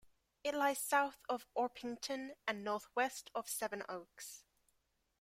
It lies south of Orpington and north west of Sevenoaks.